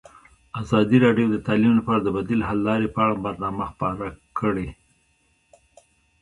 ازادي راډیو د تعلیم لپاره د بدیل حل لارې په اړه برنامه خپاره کړې.